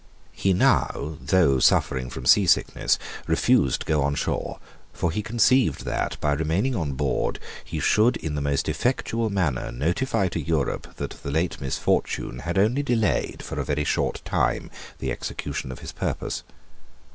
He now, though suffering from sea sickness, refused to go on shore: for he conceived that, by remaining on board, he should in the most effectual manner notify to Europe that the late misfortune had only delayed for a very short time the execution of his purpose.